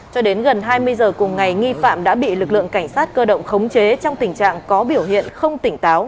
cho đến gần hai mươi giờ cùng ngày nghi phạm đã bị lực lượng cảnh sát cơ động khống chế trong tình trạng có biểu hiện không tỉnh táo